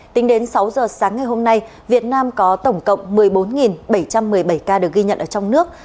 tính đến sáu giờ sáng ngày hôm nay việt nam có tổng cộng một mươi bốn bảy trăm một mươi bảy ca được ghi nhận ở trong nước